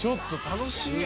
楽しい。